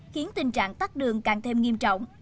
khiến tình trạng tắt đường càng thêm nghiêm trọng